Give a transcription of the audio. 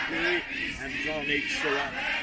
Cleary and John H. Surratt."